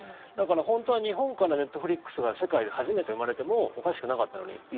だから、本当は日本からネットフリックスが世界で初めて生まれてもおかしくなかったのに。